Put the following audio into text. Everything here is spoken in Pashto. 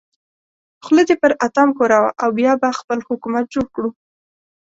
خوله دې پر اتام ښوروه او بیا به خپل حکومت جوړ کړو.